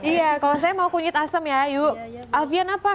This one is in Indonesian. iya kalau saya mau kunyit asem ya ayu alfian apa